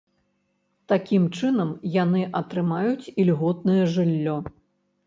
Такім чынам, яны атрымаюць ільготнае жыллё.